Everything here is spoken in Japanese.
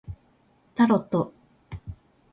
タロット